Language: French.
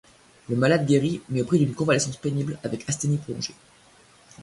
Le malade guérit, mais au prix d'une convalescence pénible avec asthénie prolongée.